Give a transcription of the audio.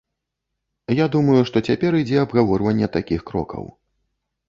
Я думаю, што цяпер ідзе абгаворванне такіх крокаў.